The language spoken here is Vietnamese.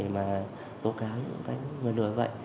để mà tố cáo những người lừa vậy